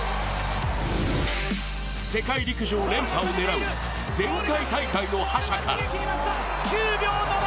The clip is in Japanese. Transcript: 世界陸上連覇を狙う前回大会の覇者か。